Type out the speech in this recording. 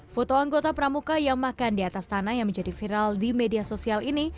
foto anggota pramuka yang makan di atas tanah yang menjadi viral di media sosial ini